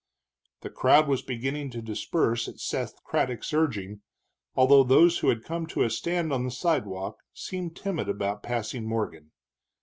The crowd was beginning to disperse at Seth Craddock's urging, although those who had come to a stand on the sidewalk seemed timid about passing Morgan.